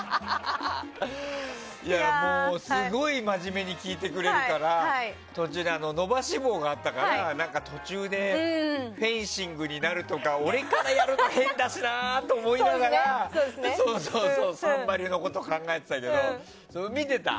すごい真面目に聞いてくれるから途中で伸ばし棒があったから途中でフェンシングになるとか俺からやるの変だしなと思いながら「サンバリュ」のこと考えてたけど。